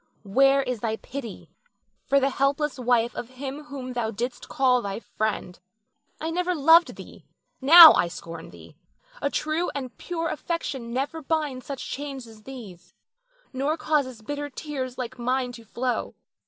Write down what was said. Where is thy pity for the helpless wife of him whom thou didst call thy friend? I never loved thee, now I scorn thee. A true and pure affection never binds such chains as these, nor causes bitter tears like mine to flow.